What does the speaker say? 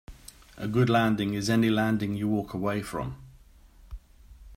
A good landing is any landing you walk away from.